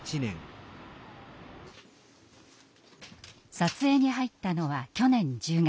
撮影に入ったのは去年１０月。